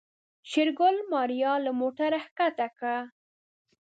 شېرګل ماريا له موټره کښته کړه.